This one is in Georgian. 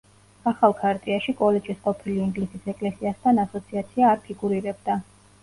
ახალ ქარტიაში კოლეჯის ყოფილი ინგლისის ეკლესიასთან ასოციაცია არ ფიგურირებდა.